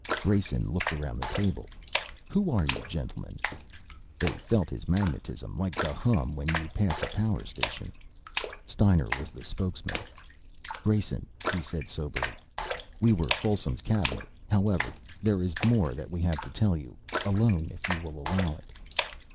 Grayson looked around the table. "Who are you gentlemen?" They felt his magnetism, like the hum when you pass a power station. Steiner was the spokesman. "Grayson," he said soberly, "We were Folsom's Cabinet. However, there is more that we have to tell you. Alone, if you will allow it."